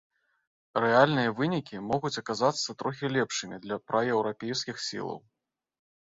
Рэальныя вынікі могуць аказацца трохі лепшымі для праеўрапейскіх сілаў.